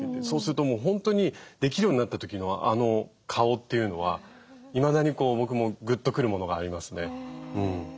そうするともう本当にできるようになった時のあの顔っていうのはいまだに僕もグッと来るものがありますね。